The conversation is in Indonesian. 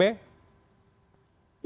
ya kalau kita